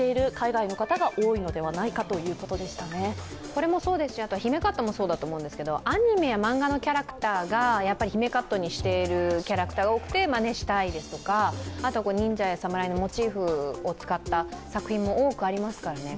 これもそうだし姫カットもそうだと思うんでえすけど、アニメや漫画のキャラクターが姫カットにしているキャラクターが多くてまねしたりですとかあと忍者や侍のモチーフを使った作品も多くありますからね。